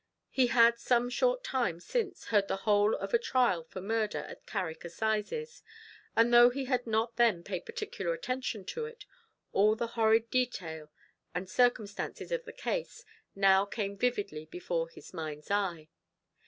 He had, some short time since, heard the whole of a trial for murder at Carrick assizes, and though he had not then paid particular attention to it, all the horrid detail and circumstances of the case now came vividly before his mind's eye.